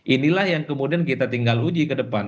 inilah yang kemudian kita tinggal uji ke depan